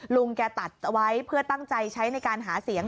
ลุงแกตัดเอาไว้เพื่อตั้งใจใช้ในการหาเสียง